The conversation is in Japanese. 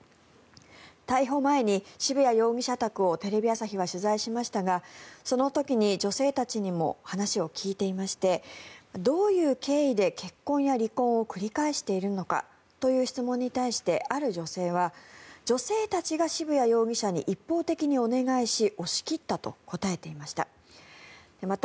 逮捕前に渋谷容疑者宅をテレビ朝日は取材しましたがその時に、女性たちにも話を聞いていましてどういう経緯で結婚や離婚を繰り返しているのかという質問に対してある女性は、女性たちが渋谷容疑者に一方的にお願いし押し切ったと答えていました。